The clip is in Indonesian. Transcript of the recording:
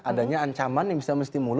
adanya ancaman yang bisa menstimulus